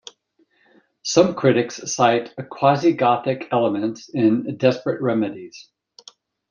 Some critics cite "quasi-gothic" elements in "Desperate Remedies".